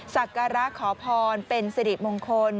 สักการะขอพรเป็นสิริมงคล